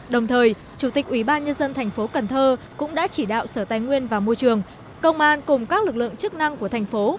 đồng thời chủ tịch ubnd tp cần thơ cũng đã chỉ đạo sở tài nguyên và môi trường công an cùng các lực lượng chức năng của thành phố